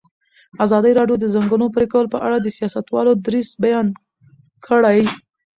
ازادي راډیو د د ځنګلونو پرېکول په اړه د سیاستوالو دریځ بیان کړی.